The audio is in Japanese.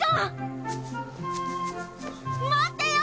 待ってよ！